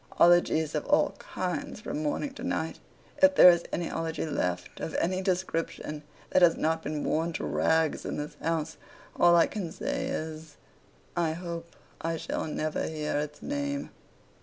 Ologies of all kinds from morning to night. If there is any Ology left, of any description, that has not been worn to rags in this house, all I can say is, I hope I shall never hear its name.